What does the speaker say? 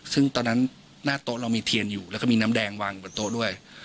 ซึ่งตอนนั้นหน้าโต๊ะเรามีเทียนอยู่แล้วก็มีน้ำแดงวางอยู่บนโต๊ะด้วย